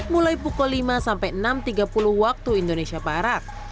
mulai pukul lima sampai enam tiga puluh waktu indonesia barat